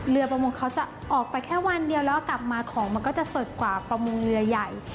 ประมงเขาจะออกไปแค่วันเดียวแล้วกลับมาของมันก็จะสดกว่าประมงเรือใหญ่